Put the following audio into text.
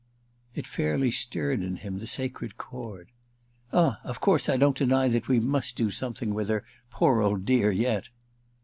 It fairly stirred in him the sacred chord. "Ah of course I don't deny that we must do something with her, poor old dear, yet."